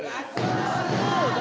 そうだ！